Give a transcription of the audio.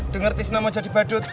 dengar tisna mau jadi badut